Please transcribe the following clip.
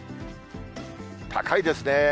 高いですね。